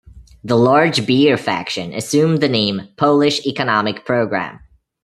The Large Beer faction assumed the name Polish Economic Program.